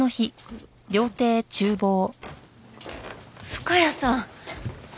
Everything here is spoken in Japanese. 深谷さん！